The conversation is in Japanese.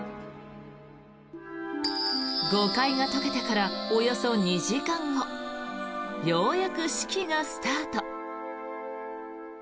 誤解が解けてからおよそ２時間後ようやく式がスタート。